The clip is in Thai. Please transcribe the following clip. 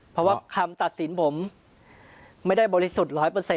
เพราะว่าคำตัดสินผมไม่ได้บริสุทธิ์๑๐๐